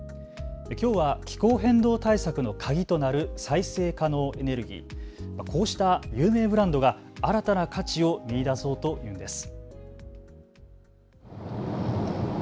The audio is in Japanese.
きょうは気候変動対策の鍵となる再生可能エネルギー、こうした有名ブランドが新たな価値を見いだそうというんです。